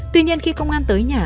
tuy nhiên khi công an tới nhà